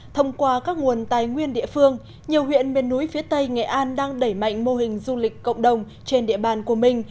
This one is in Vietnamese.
thông qua các nguồn tài nguyên địa phương nhiều huyện miền núi phía tây nghệ an đang đẩy mạnh mô hình du lịch cộng đồng trên địa bàn của mình